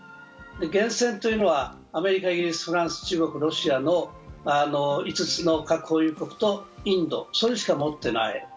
原潜というのはアメリカ、イギリスフランス、中国、ロシアの５つの核保有国とインド、それしか持っていない。